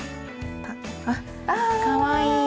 あっかわいい。